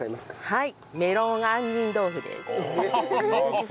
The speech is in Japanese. はい。